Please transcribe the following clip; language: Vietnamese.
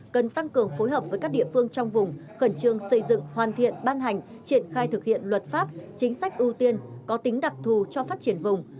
cần tăng cường phối hợp với các địa phương trong vùng khẩn trương xây dựng hoàn thiện ban hành triển khai thực hiện luật pháp chính sách ưu tiên có tính đặc thù cho phát triển vùng